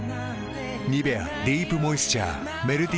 「ニベアディープモイスチャー」メルティタイプ